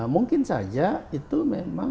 mungkin saja itu memang